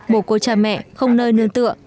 bộ cô cha mẹ không nơi nương tựa